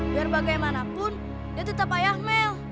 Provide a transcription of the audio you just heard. biar bagaimanapun dia tetap ayah mel